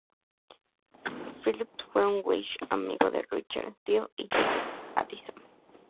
Philips fue un whig, amigo de Richard Steele y Joseph Addison.